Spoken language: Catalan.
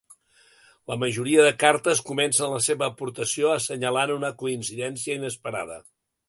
La majoria de cartes comencen la seva aportació assenyalant una coincidència inesperada.